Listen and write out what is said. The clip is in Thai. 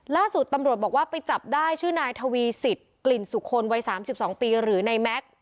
ล่าสุดตำรวจบอกว่าไปจับได้ชื่อนายทวีสิทธิ์กลิ่นสุคลวัย๓๒ปีหรือในแม็กซ์